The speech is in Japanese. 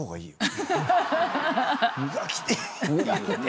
磨きてえ！っていうね。